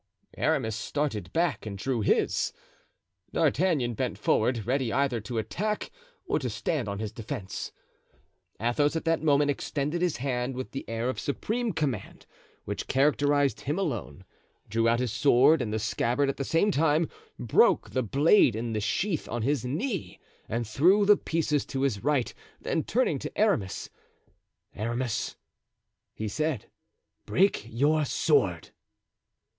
Aramis started back and drew his. D'Artagnan bent forward, ready either to attack or to stand on his defense. Athos at that moment extended his hand with the air of supreme command which characterized him alone, drew out his sword and the scabbard at the same time, broke the blade in the sheath on his knee and threw the pieces to his right. Then turning to Aramis: "Aramis," he said, "break your sword."